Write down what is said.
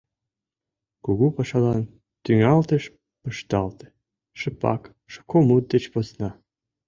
Кугу пашалан тӱҥалтыш пышталте, шыпак, шуко мут деч посна.